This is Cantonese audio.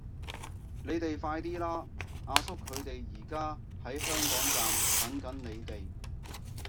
你哋快啲啦!阿叔佢哋而家喺香港站等緊你哋